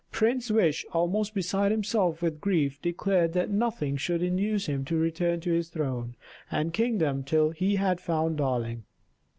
Prince Wish, almost beside himself with grief, declared that nothing should induce him to return to his throne and kingdom till he had found Darling.